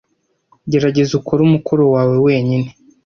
Gerageza ukore umukoro wawe wenyine.